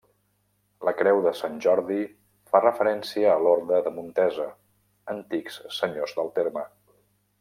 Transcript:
La creu de Sant Jordi fa referència a l'orde de Montesa, antics senyors del terme.